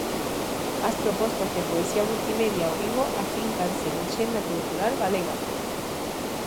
As propostas de poesía multimedia ao vivo afíncanse na axenda cultural galega.